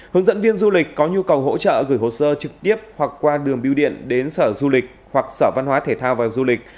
hướng dẫn viên du lịch có nhu cầu hỗ trợ gửi hồ sơ trực tiếp hoặc qua đường biêu điện đến sở du lịch hoặc sở văn hóa thể thao và du lịch